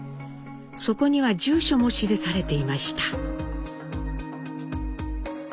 そこには住所も記されていました。